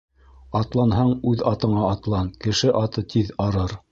Атланһаң үҙ атыңа атлан, кеше аты тиҙ арыр.